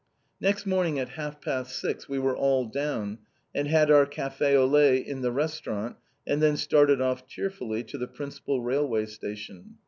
Next morning at half past six, we were all down, and had our café au lait in the restaurant, and then started off cheerfully to the principal railway station.